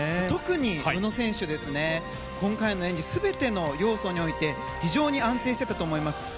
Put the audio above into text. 特に宇野選手、今回の演技全ての要素において非常に安定していたと思います。